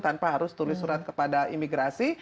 tanpa harus tulis surat kepada imigrasi